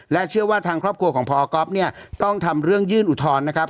เชื่อว่าทางครอบครัวของพอก๊อฟเนี่ยต้องทำเรื่องยื่นอุทธรณ์นะครับ